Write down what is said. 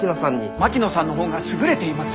槙野さんの方が優れています。